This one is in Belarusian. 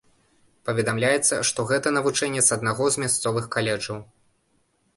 Паведамляецца, што гэта навучэнец аднаго з мясцовых каледжаў.